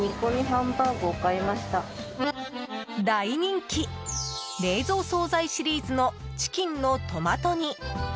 大人気、冷蔵総菜シリーズのチキンのトマト煮。